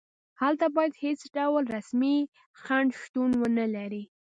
هلته باید هېڅ ډول رسمي خنډ شتون ونلري.